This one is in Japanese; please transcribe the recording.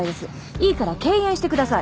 いいから敬遠してください。